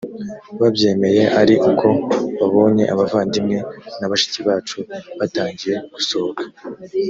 babyemeye ari uko babonye abavandimwe na bashiki bacu batangiye gusohoka